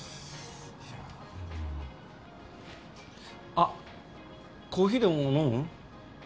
あっコーヒーでも飲む？